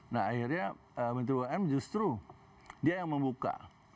nah akhirnya menteri bumn justru dia yang membuka